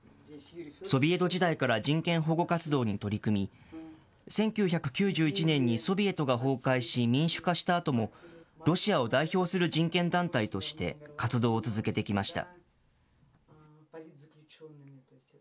ソビエト時代から人権保護活動に取り組み、１９９１年にソビエトが崩壊し、民主化したあとも、ロシアを代表する人権団体として活動を続けてきました。